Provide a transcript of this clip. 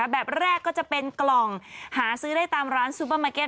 แบบแรกก็จะเป็นกล่องหาซื้อได้ตามร้านซูเปอร์มาร์เก็ต